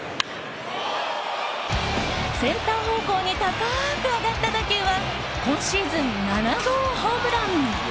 センター方向に高く上がった打球は今シーズン７号ホームラン！